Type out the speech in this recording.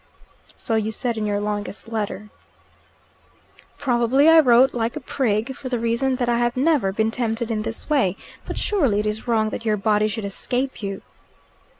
"So you said in your longest letter." "Probably I wrote like a prig, for the reason that I have never been tempted in this way; but surely it is wrong that your body should escape you."